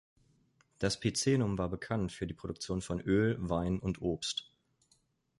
Das Picenum war bekannt für die Produktion von Öl, Wein und Obst.